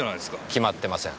決まってません。